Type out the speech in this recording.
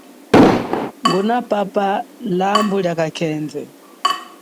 Ngunapapa lambu lia kakhendwe.